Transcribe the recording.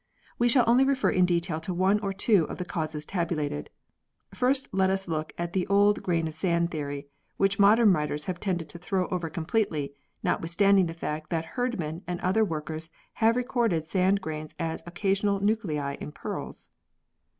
We shall only refer in detail to one or two of the causes tabulated. First let us look at the old grain of sand theory, which modern writers have tended to throw over completely, notwithstanding the fact that Herdman and other workers have recorded sand grains as occasional nuclei in pearls.